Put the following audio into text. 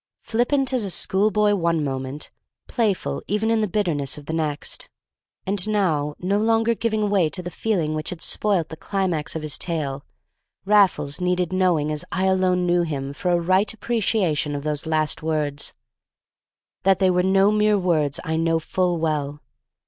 Flippant as a schoolboy one moment, playful even in the bitterness of the next, and now no longer giving way to the feeling which had spoilt the climax of his tale, Raffles needed knowing as I alone knew him for a right appreciation of those last words. That they were no mere words I know full well.